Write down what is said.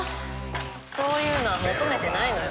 そういうのは求めてないのよ。